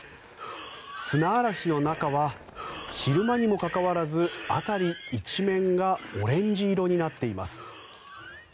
砂嵐の中は昼間にもかかわらず辺り一面がオレンジ色になっています。